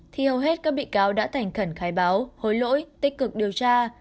thì hầu hết các bị cáo đã thành khẩn khai báo hối lỗi tích cực điều tra